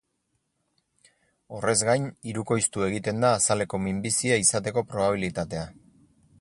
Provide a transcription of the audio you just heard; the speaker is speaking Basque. Horrez gain, hirukoiztu egiten da azaleko minbizia izateko probabilitatea.